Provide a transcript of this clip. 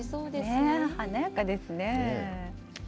華やかですね。